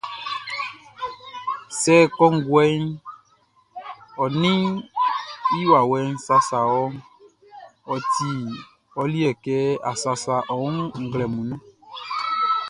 Sɛ kɔnguɛʼn ɔ ninʼn i wawɛʼn sasa wɔʼn, ɔ ti ɔ liɛ kɛ a sasa ɔ wun nglɛmun nunʼn.